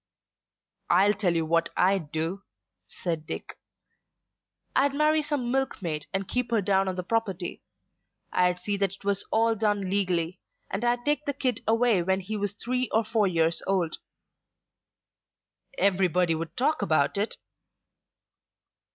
"I'll tell you what I'd do," said Dick. "I'd marry some milk maid and keep her down on the property. I'd see that it was all done legally, and I'd take the kid away when he was three or four years old." "Everybody would talk about it."